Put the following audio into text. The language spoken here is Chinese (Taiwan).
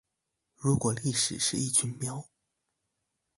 如果歷史是一群喵